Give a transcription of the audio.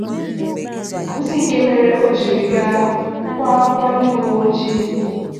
bụzị nke mere o jiri ga kwáá ákwà ndị uwe ojii